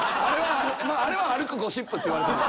あれは歩くゴシップっていわれてます。